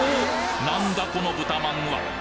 なんだこの豚まんは！？